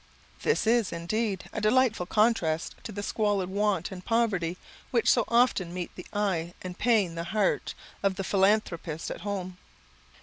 This is, indeed, a delightful contrast to the squalid want and poverty which so often meet the eye and pain the heart of the philanthropist at home.